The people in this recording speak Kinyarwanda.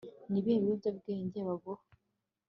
ni ibihe biyobyabwenge baguha